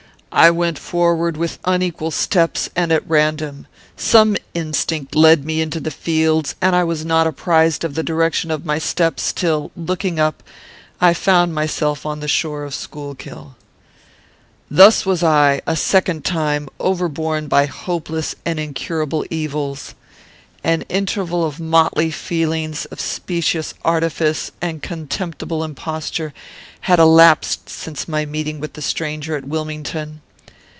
I went forward with unequal steps, and at random. Some instinct led me into the fields, and I was not apprized of the direction of my steps, till, looking up, I found myself upon the shore of Schuylkill. "Thus was I, a second time, overborne by hopeless and incurable evils. An interval of motley feelings, of specious artifice and contemptible imposture, had elapsed since my meeting with the stranger at Wilmington.